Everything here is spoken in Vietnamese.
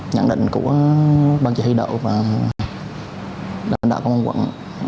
nhận định của ban chỉ huy đậu và lãnh đạo công an quận